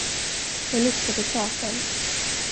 Jag lyfte på trasan.